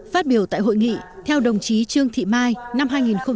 phát biểu tại hội nghị theo đồng chí trương thị mai năm hai nghìn một mươi chín